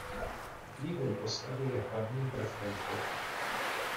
Vývoj postavy je hlavním prvkem hry.